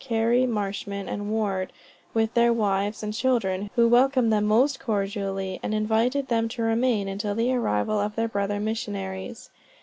Carey Marshman and Ward, with their wives and children who welcomed them most cordially, and invited them to remain until the arrival of their brother missionaries.